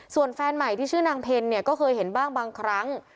ส่วนแฟนใหม่ที่ชื่อนางเพลเนี่ยก็เคยเห็นบ้างบางครั้ง